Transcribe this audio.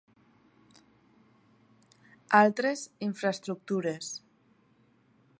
Altres infraestructures.